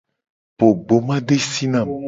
Po gbomadesi na mu.